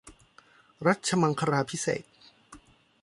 รัชมังคลาภิเษก